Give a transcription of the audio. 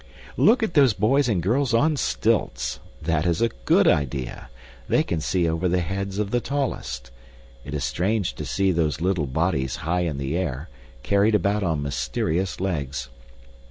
Look at those boys and girls on stilts! That is a good idea. They can see over the heads of the tallest. It is strange to see those little bodies high in the air, carried about on mysterious legs.